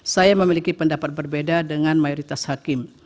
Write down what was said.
saya memiliki pendapat berbeda dengan mayoritas hakim